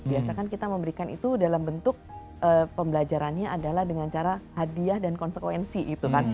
biasa kan kita memberikan itu dalam bentuk pembelajarannya adalah dengan cara hadiah dan konsekuensi gitu kan